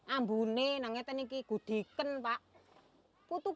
ambu ini nangetan ini kudiken pak